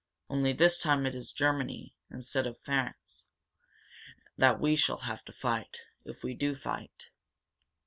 Only this time it is Germany, instead of France, that we shall have to fight if we do fight."